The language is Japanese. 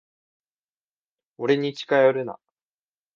俺に近寄るな。